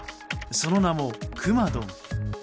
その名も、くまドン。